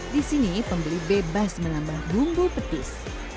disini pembeli bebas menambah bumbu petis